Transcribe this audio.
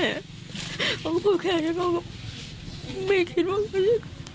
มันก็พูดแค่ฉันว่ามันไม่คิดว่าคุณ